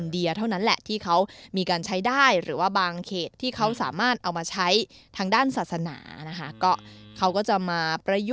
ใช่ตามแต่ละเขตเนอะอยู่อยู่แบบว่าไปเขตนี้แล้วไม่ได้ศึกษาเลย